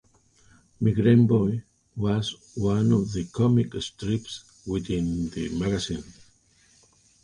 Migraine Boy was one of the comic strips within the magazine.